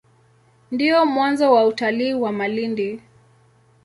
Ndio mwanzo wa utalii wa Malindi.